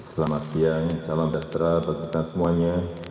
selamat siang salam sejahtera bagi kita semuanya